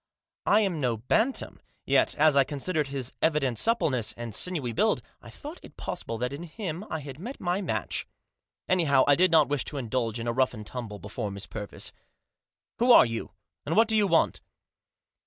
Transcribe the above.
I am no bantam ; yet as I considered his evident suppleness, and sinewy build, I thought it possible that in him I had met my match. Any how, I did not wish to indulge in a rough and tumble before Miss Purvis. Digitized by 202 THE JOSS. " Who are you ? And what do you want